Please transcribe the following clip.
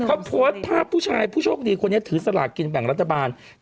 เขาโพสต์ภาพผู้ชายผู้โชคดีคนนี้ถือสลากกินแบ่งรัฐบาล